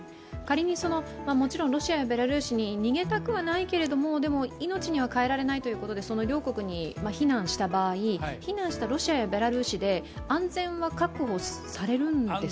仮に、もちろんロシアやベラルーシに逃げたくはないけれども、命にはかえられないということで両国に避難した場合、避難したロシアやベラルーシで安全は確保されるんですか。